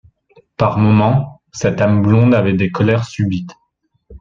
Par moments, cette âme blonde avait des colères subites.